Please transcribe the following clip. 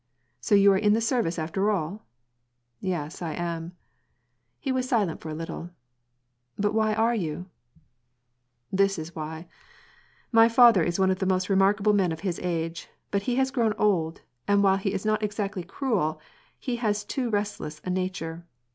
" So you are in the service after all ?" "Yes, I am." He was silent for a little. " But why are you ?"" This is why. My father is one of the most remarkiible men of his age, but he has grown old, and while he is not exactly cruel, he has too restless a nature.